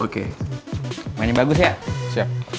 mainnya bagus ya